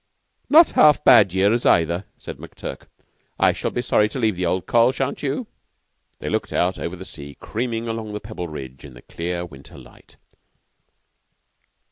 "Not half bad years, either," said McTurk. "I shall be sorry to leave the old Coll.; shan't you?" They looked out over the sea creaming along the Pebbleridge in the clear winter light.